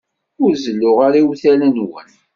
Ur zelluɣ ara iwtal-nwen.